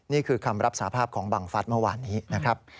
นี่คือคำรับสาภาพของบังฟัสเมื่อวานนี้นะครับ